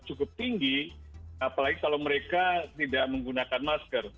cukup tinggi apalagi kalau mereka tidak menggunakan masker